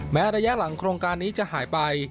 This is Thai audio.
ระยะหลังโครงการนี้จะหายไป